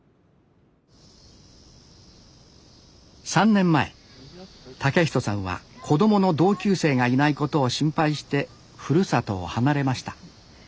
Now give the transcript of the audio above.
３年前健人さんは子どもの同級生がいないことを心配してふるさとを離れました。